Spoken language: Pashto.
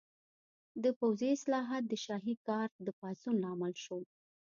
د پوځي اصلاحات د شاهي ګارډ د پاڅون لامل شول.